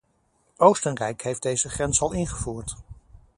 Oostenrijk heeft deze grens al ingevoerd.